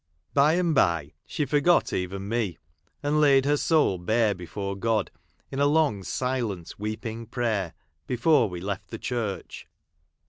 By and by she forgot even me, and laid her soul bare before God, in a long silent weeping prayer, before we left the church.